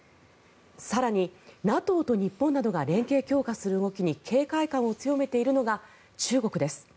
更に、ＮＡＴＯと日本などが連携強化する動きに警戒感を強めているのが中国です。